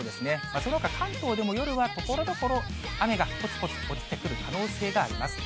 そのほか関東でも夜はところどころ、雨がぽつぽつ落ちてくる可能性があります。